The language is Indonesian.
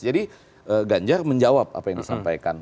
jadi ganjar menjawab apa yang disampaikan